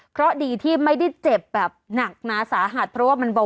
เพราะดีที่ไม่ได้เจ็บแบบหนักหนาสาหัสเพราะว่ามันเบา